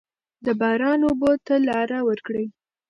د باران اوبو ته لاره ورکړئ.